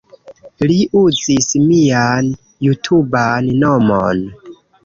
Li uzis mian jutuban nomon